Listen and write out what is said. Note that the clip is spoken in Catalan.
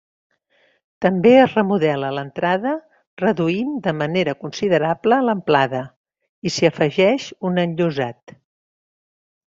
També es remodela l'entrada, reduint de manera considerable l'amplada, i s'hi afegeix un enllosat.